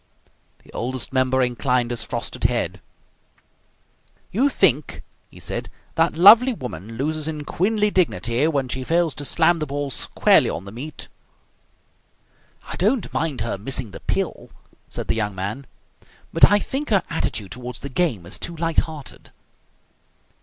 The Oldest Member inclined his frosted head. "You think," he said, "that lovely woman loses in queenly dignity when she fails to slam the ball squarely on the meat?" "I don't mind her missing the pill," said the young man. "But I think her attitude toward the game is too light hearted."